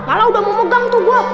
malah udah mau megang tuh bu